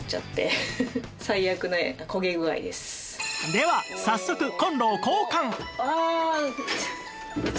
では早速コンロを交換！